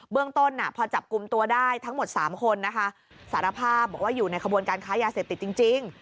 เรื่องต้นพอจับกลุ่มตัวได้ทั้งหมด๓คนนะคะสารภาพบอกว่าอยู่ในขบวนการค้ายาเสพติดจริง